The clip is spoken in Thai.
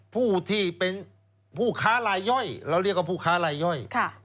ผู้ที่เป็นผู้ค้าลายย่อยเราเรียกว่าผู้ค้าลายย่อย